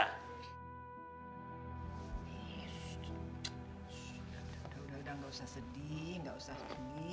udah udah udah nggak usah sedih nggak usah gini